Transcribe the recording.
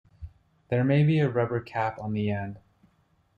There may be a rubber cap on the end.